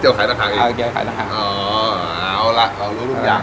ใช่ดีที่ต้องเจียวไข่รักหากอีกเออเจียวไข่รักหาก